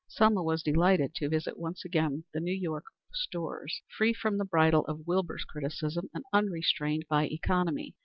Selma was delighted to visit once more the New York stores, free from the bridle of Wilbur's criticism and unrestrained by economy.